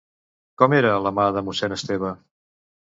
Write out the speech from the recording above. Com era la mà de mossèn Esteve?